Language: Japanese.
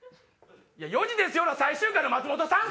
『４時ですよだ』の最終回の松本さん